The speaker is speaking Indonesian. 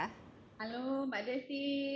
halo mbak desi